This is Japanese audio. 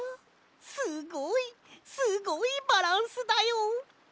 すごいすごいバランスだよ。